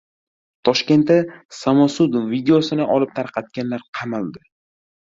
Toshkentda «samosud» videosini olib tarqatganlar qamaldi